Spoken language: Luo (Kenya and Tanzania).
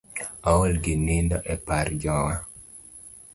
Aol gi nindo e par jowa.